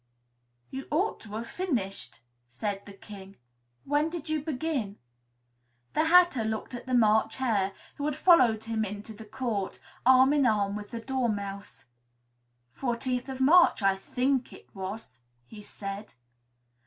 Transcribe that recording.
"You ought to have finished," said the King. "When did you begin?" The Hatter looked at the March Hare, who had followed him into the court, arm in arm with the Dormouse. "Fourteenth of March, I think it was," he said.